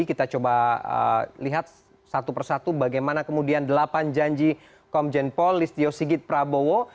kita coba lihat satu persatu bagaimana kemudian delapan janji komjen paul listio sigit prabowo